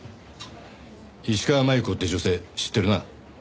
石川真悠子って女性知ってるな？